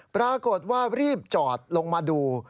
ปรากฏว่ารีบจอดลงมาดู